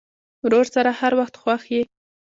ورور سره هر وخت خوښ یې.